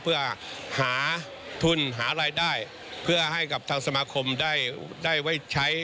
เพื่อหาทุนหารายได้เพื่อให้กับทางสมาคมได้ไว้ใช้